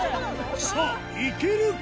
さぁいけるか？